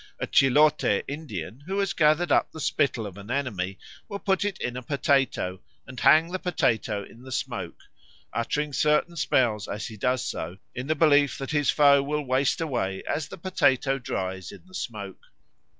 A Chilote Indian, who has gathered up the spittle of an enemy, will put it in a potato, and hang the potato in the smoke, uttering certain spells as he does so in the belief that his foe will waste away as the potato dries in the smoke.